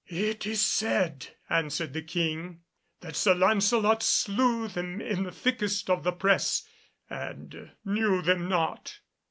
"It is said," answered the King, "that Sir Lancelot slew them in the thickest of the press and knew them not.